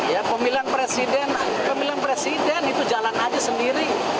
ya pemilihan presiden pemilihan presiden itu jalan aja sendiri